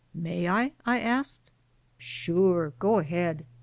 "May I? I asked. " Sure. Go ahead.